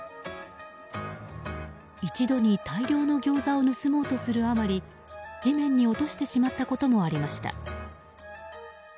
一度に大量のギョーザを盗もうとするあまり地面に落としてしまったこともありました。